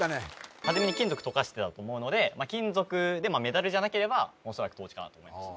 初めに金属溶かしてたと思うので金属でメダルじゃなければおそらくトーチかなと思いました